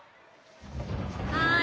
はい。